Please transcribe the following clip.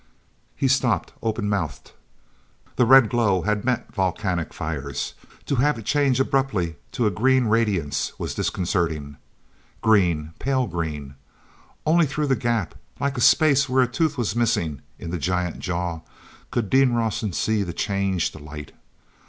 He stopped, open mouthed. The red glow had meant volcanic fires; to have it change abruptly to a green radiance was disconcerting. Green—pale green. Only through the gap, like a space where a tooth was missing in the giant jaw, could Dean Rawson see the changed light.